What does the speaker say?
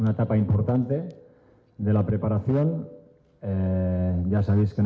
untuk kami ini adalah peristiwa yang lebih penting dari perhitungan